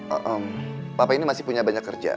eemm papa ini masih punya banyak kerjaan